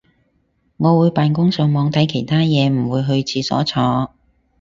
我會扮工上網睇其他嘢唔會去廁所坐